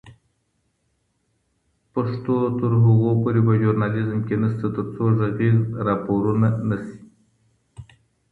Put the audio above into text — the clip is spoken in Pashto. پښتو تر هغو پورې په ژورنالیزم کي نسته تر څو ږغیز راپورونه نه سي